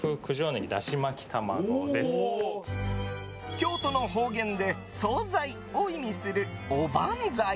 京都の方言で総菜を意味するおばんざい。